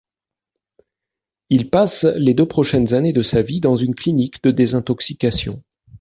Il passe les deux prochaines années de sa vie dans une clinique de désintoxication.